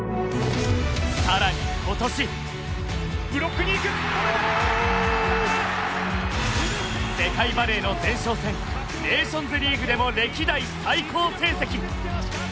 更に今年世界バレーの前哨戦ネーションズリーグでも歴代最高成績。